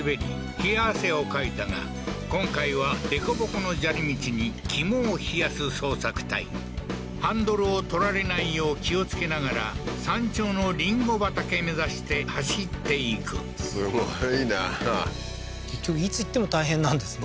冷や汗をかいたが今回はデコボコの砂利道に肝を冷やす捜索隊ハンドルを取られないよう気をつけながら山頂のりんご畑目指して走っていくすごいな結局いつ行っても大変なんですね